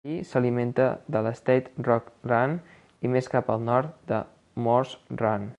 Aquí, s'alimenta de l'Slate Rock Run i més cap al nord, de Moores Run.